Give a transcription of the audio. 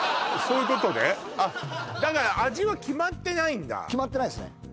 そういうことねあっだから味は決まってないんだ決まってないですね